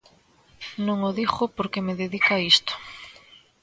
Non o digo porque me dedique a isto.